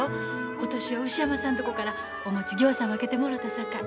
今年は牛山さんとこからお餅ぎょうさん分けてもろたさかい。